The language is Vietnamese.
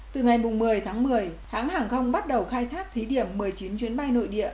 từ ngày một mươi tháng một mươi hãng hàng không bắt đầu khai thác thí điểm một mươi chín chuyến bay nội địa